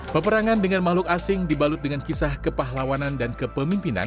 peperangan dengan makhluk asing dibalut dengan kisah kepahlawanan dan kepemimpinan